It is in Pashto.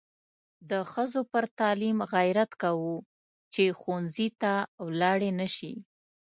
د ښځو پر تعلیم غیرت کوو چې ښوونځي ته ولاړې نشي.